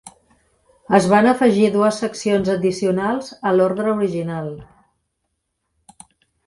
Es van afegir dues seccions addicionals a l'ordre original.